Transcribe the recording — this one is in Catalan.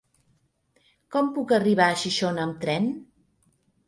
Com puc arribar a Xixona amb tren?